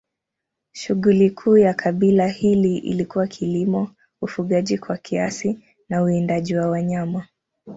Shughuli kuu ya kabila hili ilikuwa kilimo, ufugaji kwa kiasi na uwindaji wa wanyama.